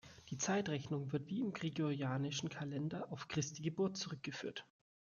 Die Zeitrechnung wird wie im gregorianischen Kalender auf Christi Geburt zurückgeführt.